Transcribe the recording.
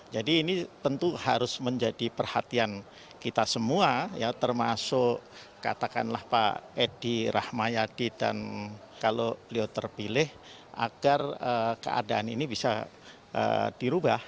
jadi ini tentu harus menjadi perhatian kita semua ya termasuk katakanlah pak edi rahmayadi dan kalau beliau terpilih agar keadaan ini bisa dirubah